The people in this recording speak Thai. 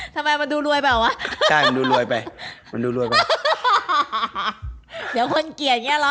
ทำไมอะทำไมมันดูรวยไปเหรอวะ